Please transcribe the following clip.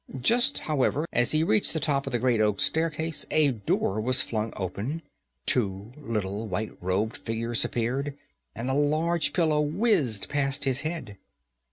Just, however, as he reached the top of the great oak staircase, a door was flung open, two little white robed figures appeared, and a large pillow whizzed past his head!